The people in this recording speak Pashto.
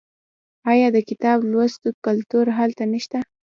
آیا د کتاب لوستلو کلتور هلته نشته؟